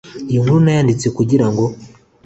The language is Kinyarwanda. iyi nkuru nayanditse kugirango